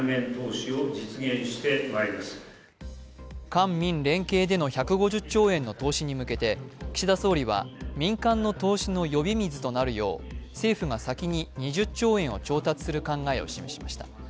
官民連携での１５０兆円の投資に向けて岸田総理は民間の投資の呼び水となるよう政府が先に２０兆円を調達する考えを示しました。